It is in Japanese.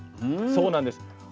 そうなんです。